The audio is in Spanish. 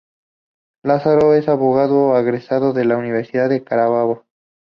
Lozano es abogado, egresado de la Universidad de Carabobo.